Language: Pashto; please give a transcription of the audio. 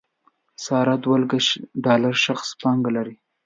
ساره دولکه ډالر شخصي پانګه لري.